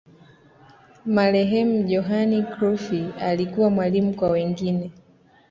marehemu johan crufy alikuwa mwalimu kwa wengine